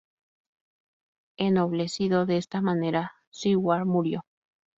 Ennoblecido de esta manera, Siward murió.